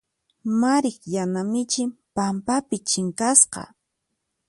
Mariq yana michin pampapi chinkasqa.